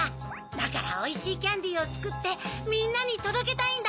だからおいしいキャンディーをつくってみんなにとどけたいんだ！